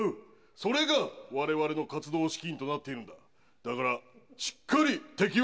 それがわれわれの活動資金となっているんだ。